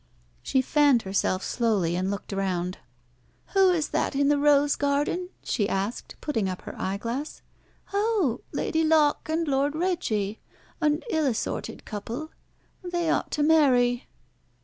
She fanned herself slowly and looked round. "Who is that in the rose garden?" she asked, putting up her eyeglass. "Oh! Lady Locke and Lord Reggie an ill assorted couple. They ought to marry."